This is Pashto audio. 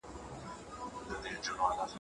ډېره ډوډۍ ماڼۍ ته په وړلو سره سړه سوه.